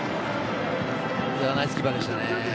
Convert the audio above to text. ナイスキーパーでしたね。